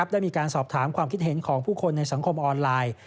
ได้มีการสอบถามความคิดเห็นของผู้คนในสังคมออนไลน์